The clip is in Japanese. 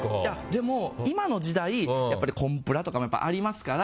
でも、今の時代コンプラとかもありますから。